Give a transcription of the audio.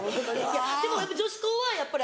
でも女子校はやっぱり。